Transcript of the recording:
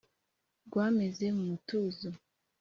rwameze mu mutuzo